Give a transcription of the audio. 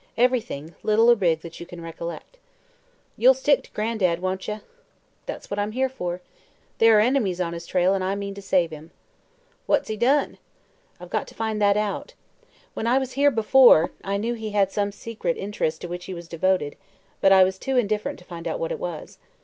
"Everything, little or big, that you can recollect." "You'll stick to Gran'dad, won't ye?" "That's what I'm here for. There are enemies on his trail and I mean to save him." "What's he done?" "I've got to find that out. When I was here before, I knew he had some secret interest to which he was devoted, but I was too indifferent to find out what it was.